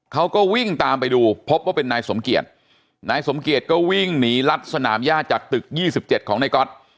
เขาก็วิ่งตามไปดูพบว่าเป็นนายสมเกียจนายสมเกียจก็วิ่งหนีรัดสนามย่าจากตึก๒๗ของนายก๊อต